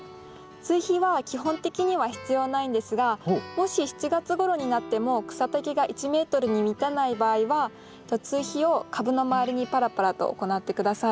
追肥は基本的には必要ないんですがもし７月ごろになっても草丈が１ｍに満たない場合は追肥を株の周りにぱらぱらと行って下さい。